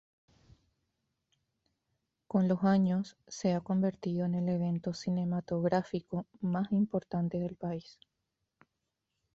Con los años se ha convertido en el evento cinematográfico más importante del país.